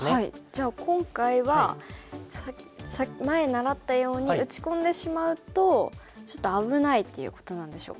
じゃあ今回は前習ったように打ち込んでしまうとちょっと危ないっていうことなんでしょうか。